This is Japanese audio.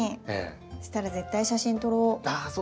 そしたら絶対写真撮ろう。